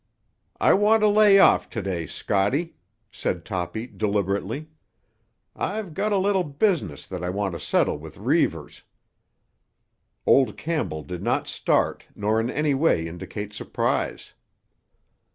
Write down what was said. "I want to lay off to day, Scotty," said Toppy deliberately. "I've got a little business that I want to settle with Reivers." Old Campbell did not start nor in any way indicate surprise.